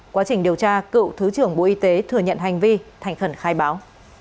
quá trình điều tra cựu thứ trưởng bộ y tế thừa nhận hành vi thành khẩn khai báo